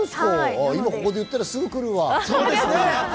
ここで言ったらすぐ来るわ。